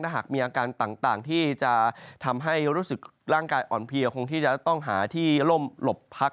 หากมีอาการต่างที่จะทำให้รู้สึกร่างกายอ่อนเพลียคงที่จะต้องหาที่ล่มหลบพัก